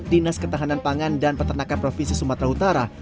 dinas ketahanan pangan dan peternakan provinsi sumatera utara